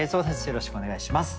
よろしくお願いします。